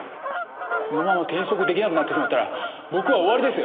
このまま転職出来なくなってしまったら僕は終わりです！